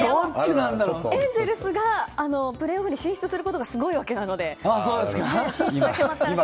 エンゼルスがプレーオフに進出することがすごいわけなので。